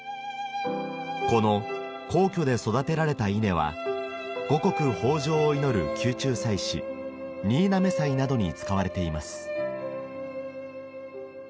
この皇居で育てられた稲は五穀豊穣を祈る宮中祭祀新嘗祭などに使われています